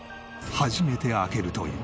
初めて開けるという。